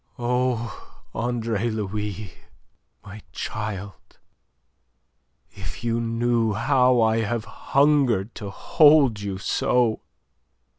"Oh, Andre Louis, my child, if you knew how I have hungered to hold you so!